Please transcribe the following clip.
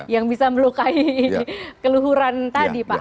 yang bisa melukai keluhuran tadi pak